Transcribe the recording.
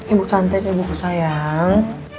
ibu cantik ibu kusayang